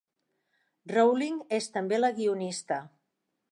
Rowling és també la guionista.